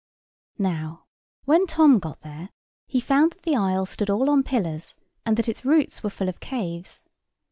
Now when Tom got there, he found that the isle stood all on pillars, and that its roots were full of caves.